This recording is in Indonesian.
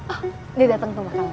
oh dia dateng tuh makannya